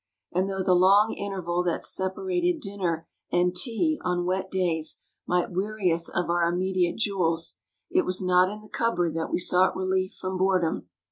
And though the long interval that separated dinner and tea on wet days might weary us of our immediate jewels, it was not in the cupboard that we sought relief from Boredom.